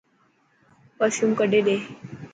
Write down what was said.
پرفيوم ڪڌي ڏي.